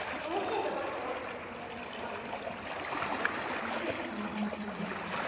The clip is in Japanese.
なんで今、そんな話するの？